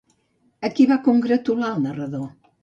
A qui va congratular el narrador?